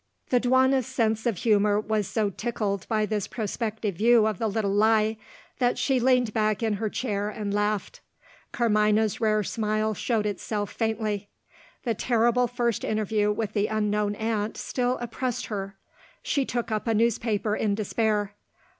The duenna's sense of humour was so tickled by this prospective view of the little lie, that she leaned back in her chair and laughed. Carmina's rare smile showed itself faintly. The terrible first interview with the unknown aunt still oppressed her. She took up a newspaper in despair.